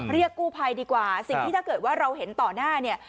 เรียกกู้ภัยดีกว่าสิ่งที่ถ้าเกิดว่าเราเห็นต่อหน้าเนี่ย